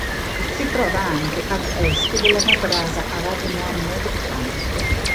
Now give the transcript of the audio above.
Si trova anche ad est della madrasa Arab Mohammed Khan.